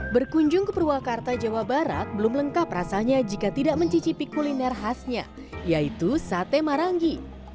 berkunjung ke purwakarta jawa barat belum lengkap rasanya jika tidak mencicipi kuliner khasnya yaitu sate marangi